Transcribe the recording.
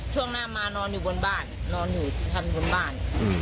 ช่วงหน้ามานอนอยู่บนบ้านนอนอยู่ทำบนบ้าน